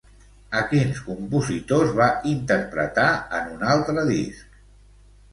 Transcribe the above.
A quins compositors va interpretar en un altre disc?